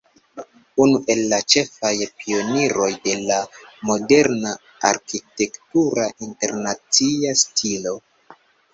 Unu el la ĉefaj pioniroj de la moderna arkitektura internacia stilo.